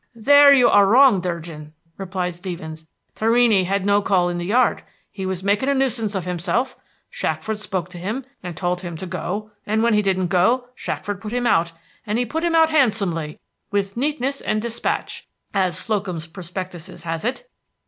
"There you are wrong, Durgin," replied Stevens. "Torrini had no call in the yard; he was making a nuisance of himself. Shackford spoke to him, and told him to go, and when he didn't go Shackford put him out; and he put him out handsomely, 'with neatness and dispatch,' as Slocum's prospectuses has it."